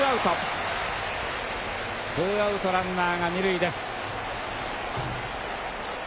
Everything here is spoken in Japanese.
ツーアウトランナーが２塁です。